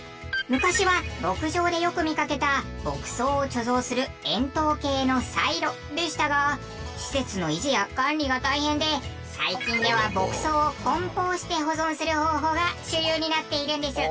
昔は牧場でよく見かけた牧草を貯蔵する円筒形のサイロでしたが施設の維持や管理が大変で最近では牧草を梱包して保存する方法が主流になっているんです。